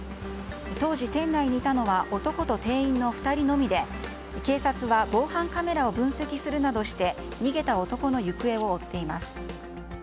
当時店内にいたのは男と店員の２人のみで警察は防犯カメラを分析するなどして逃げた男の行方を追っています。